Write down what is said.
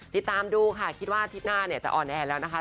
ติดตามดูค่ะคิดว่าอาทิตย์หน้าเนี่ยจะออนแอร์แล้วนะคะ